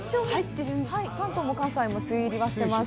関東も関西も梅雨入りはしています。